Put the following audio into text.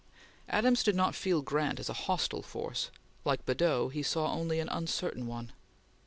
Adams did not feel Grant as a hostile force; like Badeau he saw only an uncertain one.